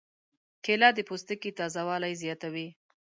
کېله د پوستکي تازه والی زیاتوي.